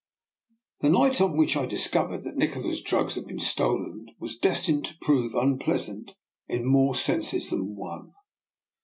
The night on which I discovered that Nikola's drugs had been stolen was destined to prove unpleasant in more senses than one.